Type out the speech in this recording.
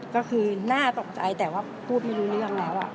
ก็คือน่าตกใจแต่ว่าพูดไม่รู้เรื่องแล้ว